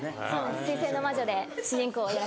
『水星の魔女』で主人公を。